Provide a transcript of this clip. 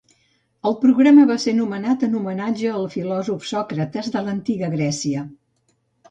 El programa va ser nomenat en homenatge al filòsof Sòcrates de l'Antiga Grècia.